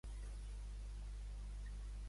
Em dius quins trens hi ha de Berga fins a Girona?